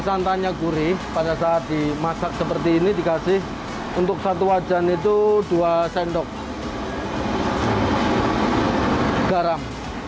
santannya gurih pada saat dimasak seperti ini dikasih untuk satu wajan itu dua sendok garam